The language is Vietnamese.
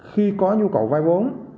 khi có nhu cầu vay vốn